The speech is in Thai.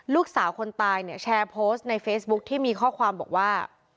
ลูกสาวคนตายเนี่ยแชร์โพสต์ในเฟซบุ๊คที่มีข้อความบอกว่า